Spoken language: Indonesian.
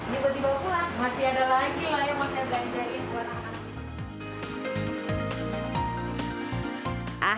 jika dibawa pulang masih ada lagi yang mau saya gajahin buat anak anak